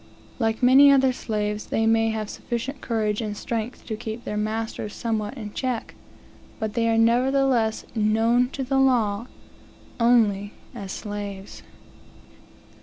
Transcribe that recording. Like many other slaves they may have sufficient courage and strength to keep their masters somewhat in check; but they are nevertheless known to the law only as slaves.